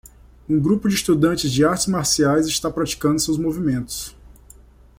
Um grupo de estudantes de artes marciais está praticando seus movimentos.